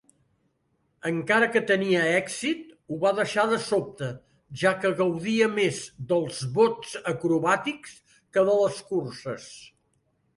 Encara que tenia èxit, ho va deixar de sobte, ja que gaudia més dels bots acrobàtics que de les curses.